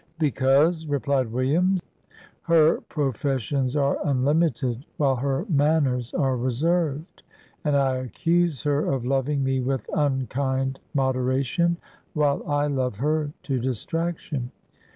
"Because," replied Williams, "her professions are unlimited, while her manners are reserved; and I accuse her of loving me with unkind moderation, while I love her to distraction."